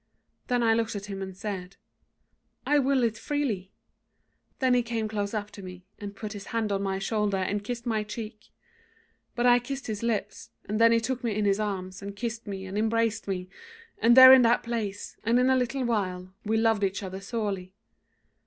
Then I looked at him and said, 'I will it freely.' Then he came close up to me, and put his hand on my shoulder and kissed my cheek; but I kissed his lips, and then he took me in his arms, and kissed me and embraced me; and there in that place, and in a little while, we loved each other sorely.